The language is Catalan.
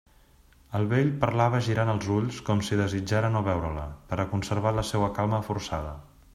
El vell parlava girant els ulls, com si desitjara no veure-la, per a conservar la seua calma forçada.